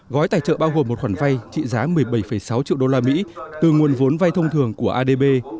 gói tài trợ bao gồm một khoản vay trị giá một mươi bảy sáu triệu usd từ nguồn vốn vay thông thường của adb